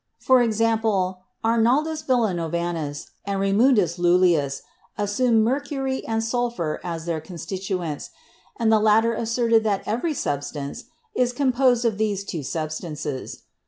For example, Arnaldus Villano vanus and Raymundus Lullius assumed mercury and sulphur as their constituents, and the latter asserted that every substance is composed of these two substances.